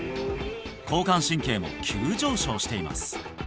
交感神経も急上昇しています